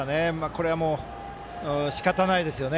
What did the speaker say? これはしかたないですよね。